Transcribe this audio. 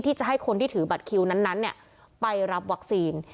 ที่จะให้คนที่ถือบัตรคิวนั้นไปรับวัคซีน